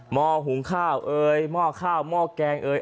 มอหุงข้าวเอ๊ยมอข้าวมอแกงเอ๊ย